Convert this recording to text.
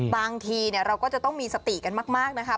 บางทีเราก็จะต้องมีสติกันมากนะคะ